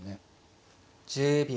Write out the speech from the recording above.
１０秒。